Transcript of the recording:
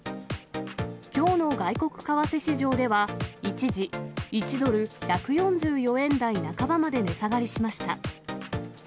きょうの外国為替市場では、一時、１ドル１４４円台半ばまで値下がりしました。